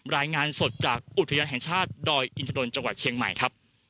รายงานสดจากอุทยานแห่งชาติดอยอินทนนท์จังหวัดเชียงใหม่ครับ